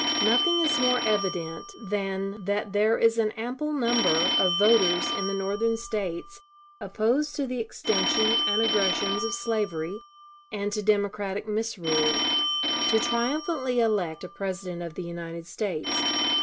Nothing is more evident than that there is an ample number of voters in the Northern States, opposed to the extension and aggressions of slavery and to Democratic misrule, to triumphantly elect a President of the United States.